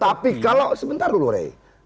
tapi kalau sebentar dulu rey